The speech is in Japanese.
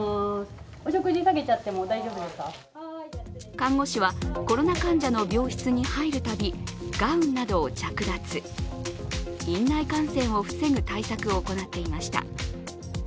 看護師はコロナ患者の病室に入るたびガウンなどを着脱、院内感染を防ぐ対策を行っていました。